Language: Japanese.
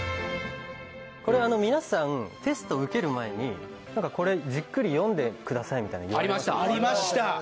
これ、皆さんテストを受ける前にじっくり読んでくださいみたいなの言われませんでした？